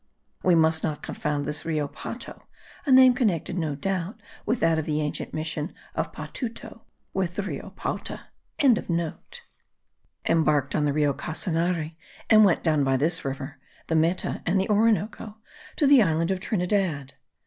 We must not confound this Rio Pato (a name connected no doubt with that of the ancient mission of Patuto) with the Rio Paute.) embarked on the Rio Casanare, and went down by this river, the Meta, and the Orinoco, to the island of Trinidad.